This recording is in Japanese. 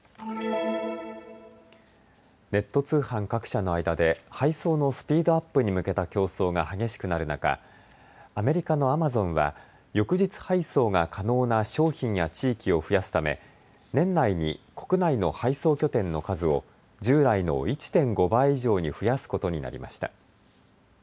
ネット通販各社の間で配送のスピードアップに向けた競争が激しくなる中、アメリカのアマゾンは翌日配送が可能な商品や地域を増やすため年内に国内の配送拠点の数を従来の１．５倍以上に増やすことになりました。